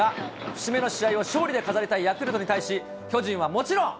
節目の試合を勝利で飾りたいヤクルトに対し、巨人はもちろん！